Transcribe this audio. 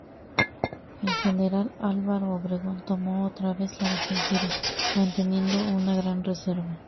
El general Álvaro Obregón tomó otra vez la defensiva, manteniendo una gran reserva.